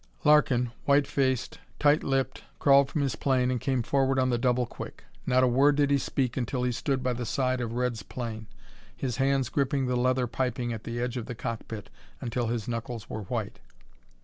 Larkin, white faced, tight lipped, crawled from his plane and came forward on the double quick. Not a word did he speak until he stood by the side of Red's plane, his hands gripping the leather piping at the edge of the cockpit until his knuckles were white.